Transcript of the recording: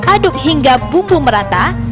aduk hingga bumbu merata